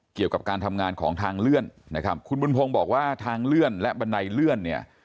เกี่ยวกับการทำงานของทางเลื่อนนะครับคุณบุญพงศ์บอกว่าทางเลื่อนและบันไดเลื่อนเนี่ย